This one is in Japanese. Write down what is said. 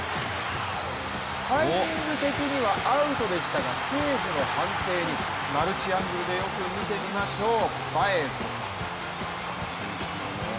タイミング的にはアウトでしたがセーフの判定に、マルチアングルでよく見てみましょう、バエズ。